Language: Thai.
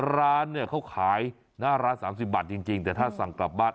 ร้านเนี่ยเขาขายหน้าร้าน๓๐บาทจริงแต่ถ้าสั่งกลับบ้าน